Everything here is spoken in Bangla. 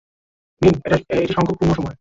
মিং, এটা সংকটপূর্ণ সময়।